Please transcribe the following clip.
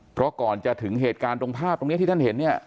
เพราะก่อนจะถึงเหตุการณ์ตรงภาพตรงนี้ที่ท่านเห็นเนี่ย